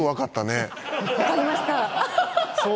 わかりました。